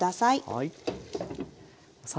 はい。